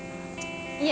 いえ